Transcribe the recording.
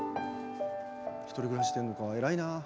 １人暮らししてるのか偉いなあ。